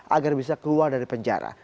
agar bisa keluar dari penjara